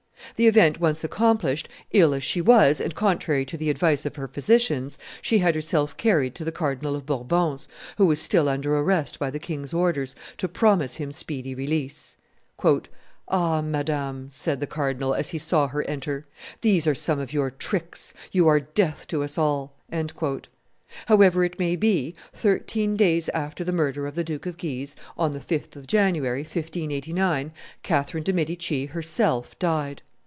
The event once accomplished, ill as she was, and contrary to the advice of her physicians, she had herself carried to the Cardinal of Bourbon's, who was still under arrest by the king's orders, to promise him speedy release. "Ah! madame," said the cardinal, as he saw her enter, "these are some of your tricks; you are death to us all." However it may be, thirteen days after the murder of the Duke of Guise, on the 5th of January, 1589, Catherine de' Medici herself died.